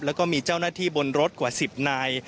แล้วก็มีเจ้าหน้าที่บนรถกว่า๑๐นาย